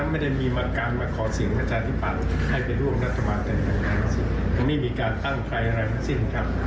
ไม่มีการตั้งใครอะไรมาสิ้นครับ